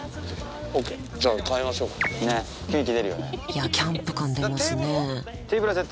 いやキャンプ感出ますね